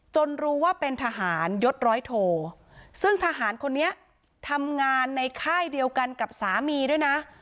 รู้ว่าเป็นทหารยศร้อยโทซึ่งทหารคนนี้ทำงานในค่ายเดียวกันกับสามีด้วยนะ